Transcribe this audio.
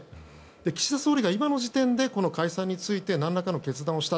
岸田総理が、今の時点で解散について何らかの決断をした。